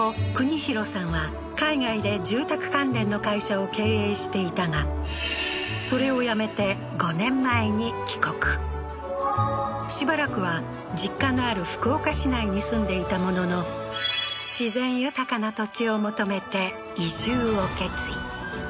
大さんは海外で住宅関連の会社を経営していたがそれを辞めて５年前に帰国しばらくは実家のある福岡市内に住んでいたものの自然豊かな土地を求めて移住を決意